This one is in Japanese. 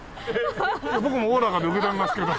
僕もおおらかで受け止めますけど。